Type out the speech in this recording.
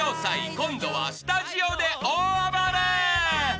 ［今度はスタジオで大暴れ］